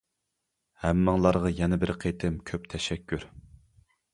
ھەممىڭلارغا يەنە بىر قېتىم كۆپ تەشەككۈر.